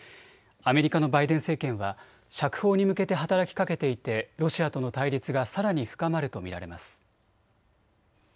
アメリカのバイデン政権は釈放に向けて働きかけていてロシアとの対立がさらに深まると見られます。